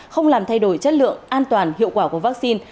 không làm thay đổi chất lượng an toàn hiệu quả của vaccine